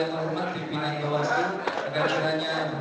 calon gubernur dan wakil gubernur